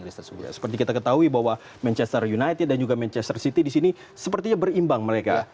seperti kita ketahui bahwa manchester united dan juga manchester city di sini sepertinya berimbang mereka